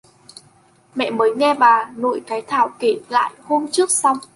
mẹ mới nghe bà nội cái thảo kể lại hôm trước xong